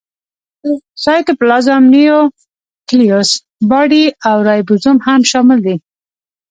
سایټوپلازم، نیوکلیوس باډي او رایبوزوم هم شامل دي.